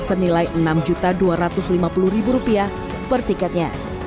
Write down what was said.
senilai enam dua ratus lima puluh rupiah per tiketnya